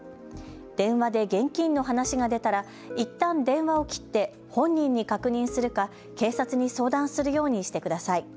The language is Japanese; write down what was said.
電話で現金の話が出たらいったん電話を切って本人に確認するか警察に相談するようにしてください。